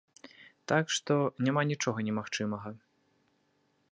Так што, няма нічога немагчымага.